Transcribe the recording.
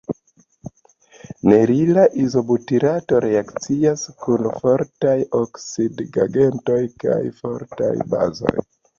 Nerila izobutirato reakcias kun fortaj oksidigagentoj kaj fortaj bazoj.